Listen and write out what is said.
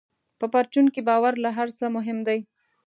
په پرچون کې باور له هر څه مهم دی.